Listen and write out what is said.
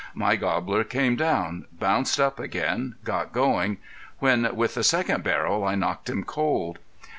My gobbler came down, bounced up again, got going when with the second barrel I knocked him cold.